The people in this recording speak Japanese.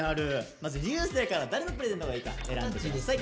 まず流星から誰のプレゼントがいいか選んで下さい。